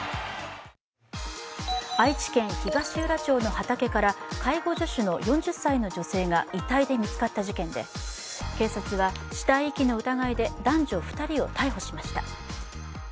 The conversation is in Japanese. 愛知県東浦町の畑から介護助手の４０歳の女性が遺体で見つかった事件で警察は死体遺棄の疑いで男女２人を逮捕しました。